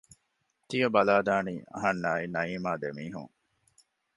ތިޔަ ބަލައި ދާނީ އަހަންނާއި ނަޢީމާ ދެ މީހުން